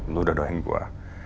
lu udah doain gua